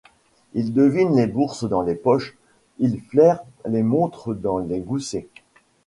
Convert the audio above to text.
Ils devinent les bourses dans les poches, ils flairent les montres dans les goussets.